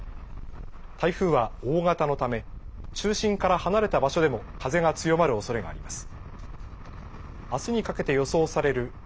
台風は大型のため中心から離れた場所でも風が強まるおそれがあります。